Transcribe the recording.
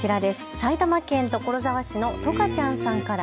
埼玉県所沢市のとかちゃんさんから。